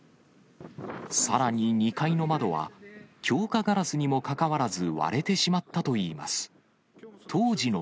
さらに２階の窓は、強化ガラスにもかかわらず、割れてしまったといいます。